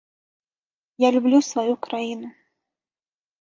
Я люблю сваю краіну.